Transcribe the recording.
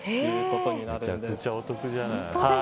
めちゃくちゃお得じゃない。